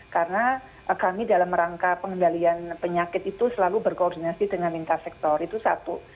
karena kami dalam rangka pengendalian penyakit itu selalu berkoordinasi dengan lintas sektor itu satu